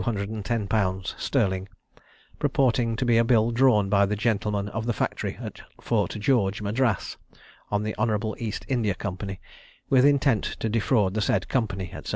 _ sterling, purporting to be a bill drawn by the gentlemen of the factory at Fort George, Madras, on the Hon. East India Company, with intent to defraud the said Company, &c.